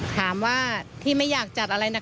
ถามว่าที่ไม่อยากจัดอะไรหนักอ่ะ